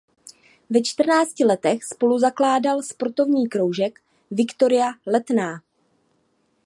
Ve čtrnácti letech spoluzakládal Sportovní kroužek Viktoria Letná.